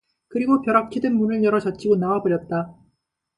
그리고 벼락치듯 문을 열어 젖히고 나와 버렸다.